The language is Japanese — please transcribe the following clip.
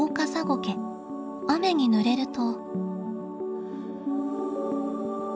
雨にぬれると。